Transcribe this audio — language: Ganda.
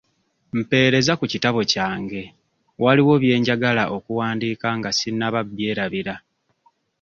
Mpeereza ku kitabo kyange waliwo bye njagala okuwandiika nga sinnaba byerabira.